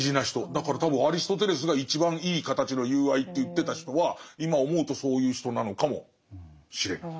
だから多分アリストテレスが一番いい形の友愛って言ってた人は今思うとそういう人なのかもしれない。